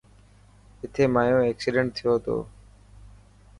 اٿي مايو ايڪسيڊنٽ ٿيو تو.